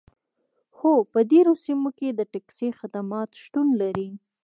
هو په ډیرو سیمو کې د ټکسي خدمات شتون لري